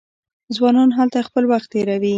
ځوانان هلته خپل وخت تیروي.